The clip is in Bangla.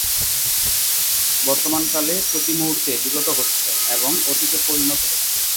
বর্তমান কালে প্রতি মুহূর্তে বিগত হচ্ছে এবং অতীতে পরিণত হচ্ছে।